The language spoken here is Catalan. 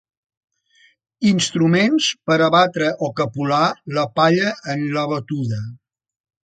Instruments per a batre o capolar la palla en la batuda.